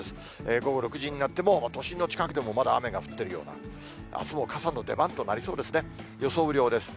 午後６時になっても、都心の近くでもまだ雨が降ってるような、あすも傘の出番となりそうですね。